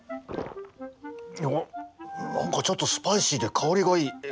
おお何かちょっとスパイシーで香りがいい！